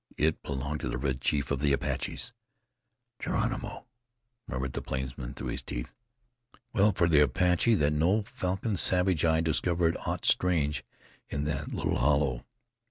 It belonged to the Red Chief of the Apaches. "Geronimo!" murmured the plainsman through his teeth. Well for the Apache that no falcon savage eye discovered aught strange in the little hollow!